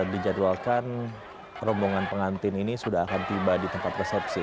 dijadwalkan rombongan pengantin ini sudah akan tiba di tempat resepsi